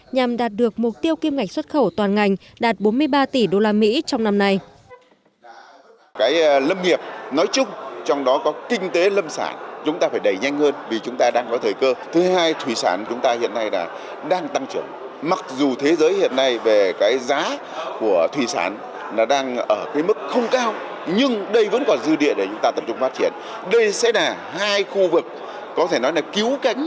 nhằm đạt được mục tiêu kim ngạch xuất khẩu toàn ngành đạt bốn mươi ba tỷ usd trong năm nay